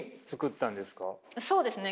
そうですね。